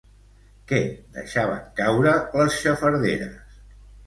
Què deixaven caure les xafarderes?